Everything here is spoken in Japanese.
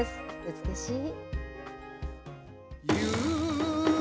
美しい。